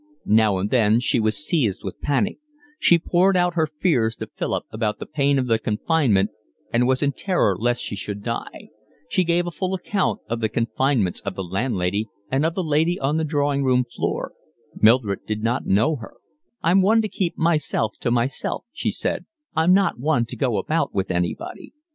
Now and then she was seized with panic; she poured out her fears to Philip about the pain of the confinement and was in terror lest she should die; she gave him a full account of the confinements of the landlady and of the lady on the drawing room floor (Mildred did not know her; "I'm one to keep myself to myself," she said, "I'm not one to go about with anybody.")